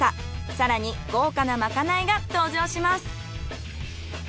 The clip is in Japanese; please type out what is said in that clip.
更に豪華なまかないが登場します。